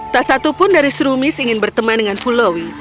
tak satu pun dari serumis ingin berteman dengan pulowi